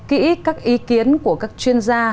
kỹ các ý kiến của các chuyên gia